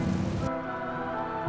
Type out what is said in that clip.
itu juga kalau anda mau